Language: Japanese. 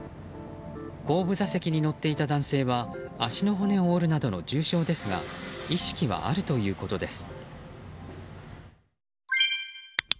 後部座席に乗っていた男性は足の骨を折るなどの重傷ですが意識はあるということです。